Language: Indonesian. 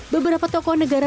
beberapa tokoh negara